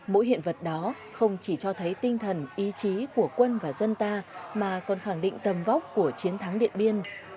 mỗi hiện vật đó không chỉ cho thấy tinh thần ý chí của quân và dân ta mà còn khẳng định tầm vóc của chiến thắng điện biên